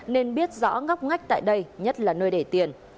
nên biết rõ ngóc ngách tại đây nhất là nơi để tiền